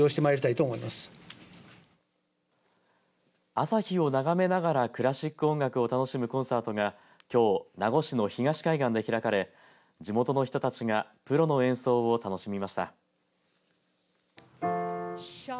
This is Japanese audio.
朝日を眺めながらクラシック音楽を楽しむコンサートがきょう名護市の東海岸で開かれ地元の人たちがプロの演奏を楽しみました。